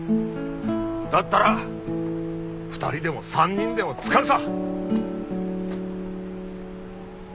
だったら２人でも３人でも使うさ。